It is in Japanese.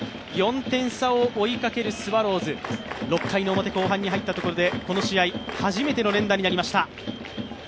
４点差を追いかけるスワローズ、６回表に入ったところでこの試合初めての連打になりました。